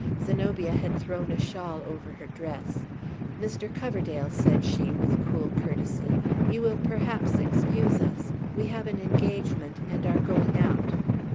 Zenobia had thrown a shawl over her dress. "Mr. Coverdale," said she, with cool courtesy, "you will perhaps excuse us. We have an engagement, and are going out."